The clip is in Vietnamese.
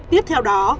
tiếp theo đó